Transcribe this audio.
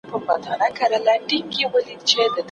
د خوړل شویو ګولیو ټولې تشې خانې د هغې لخوا وشمېرل شوې.